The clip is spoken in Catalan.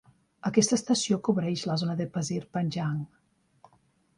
Aquesta estació cobreix la zona de Pasir Panjang.